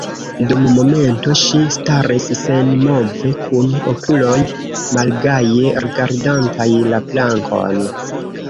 Dum momento ŝi staris senmove, kun okuloj malgaje rigardantaj la plankon.